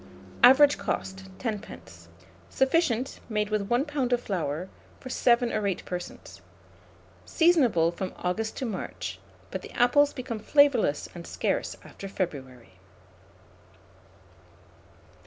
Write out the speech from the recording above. Average cost, 10d. Sufficient, made with 1 lb. of flour, for 7 or 8 persons. Seasonable from August to March; but the apples become flavourless and scarce after February.